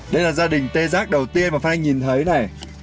đây là gia đình tê giác đầu tiên mà phan anh nhìn thấy này